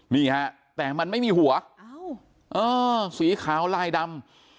นี่ฮะแต่มันไม่มีหัวอ้าวอ้าวสีขาวลายดำ